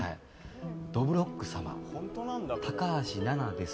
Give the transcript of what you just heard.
どぶろっく様、高橋ななです。